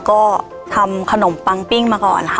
ก็ทำขนมปังปิ้งมาก่อนค่ะ